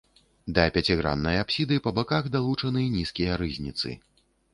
Да пяціграннай апсіды па баках далучаны нізкія рызніцы.